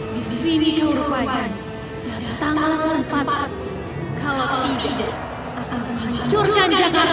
disini kembali dan tanggal ke tempat kalau tidak akan hancurkan jakarta